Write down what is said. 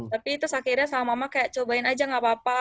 tapi terus akhirnya sama mama kayak cobain aja gak apa apa